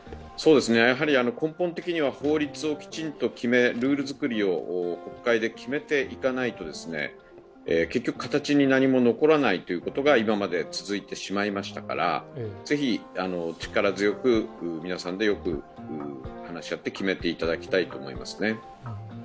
根本的には法律をきちんと決め、ルール作りを国会が決めていかないと結局、形に何も残らないということが今まで続いてしまいましたからぜひ力強く皆さんでよく話し合って決めていただきたいと思います。